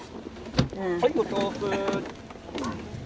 はいお豆腐。